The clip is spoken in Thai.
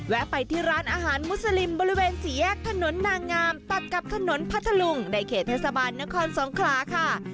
ไปที่ร้านอาหารมุสลิมบริเวณสี่แยกถนนนางงามตัดกับถนนพัทธลุงในเขตเทศบาลนครสงขลาค่ะ